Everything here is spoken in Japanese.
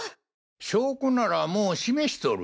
証拠ならもう示しとる。